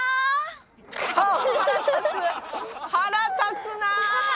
腹立つなあ！